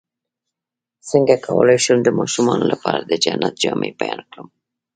څنګه کولی شم د ماشومانو لپاره د جنت جامې بیان کړم